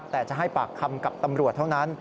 แต่จะให้ปากคำกับตำรวจเท่านั้น